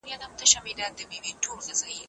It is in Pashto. مستري په اوږه باندي ګڼ توکي نه دي راوړي.